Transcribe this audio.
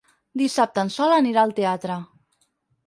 Dissabte en Sol anirà al teatre.